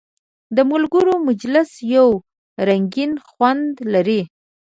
د ملګرو مجلس یو رنګین خوند لري.